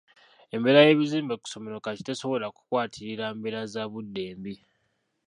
Embeera y'ebizimbe ku ssomero kati tesobola kukwatirira mbeera za budde mbi.